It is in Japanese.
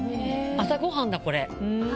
朝ごはんだ、これ。